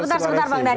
sebentar bang dhani